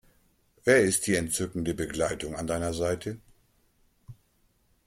Wer ist die entzückende Begleitung an deiner Seite?